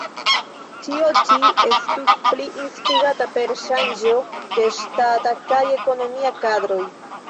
Ĉio ĉi estus plu instigita per ŝanĝo de ŝtata kaj ekonomia kadroj.